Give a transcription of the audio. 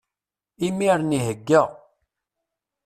Imiren ihegga.